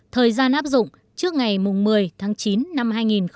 thời gian áp dụng trước ngày một mươi tháng chín năm hai nghìn một mươi chín